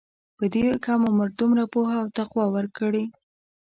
په دې کم عمر دومره پوهه او تقوی ورکړې.